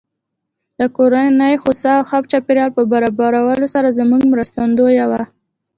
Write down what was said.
د کورنۍ هوسا او ښه چاپېريال په برابرولو سره زما مرستندويه وه.